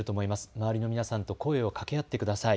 周りの皆さんと声をかけ合ってください。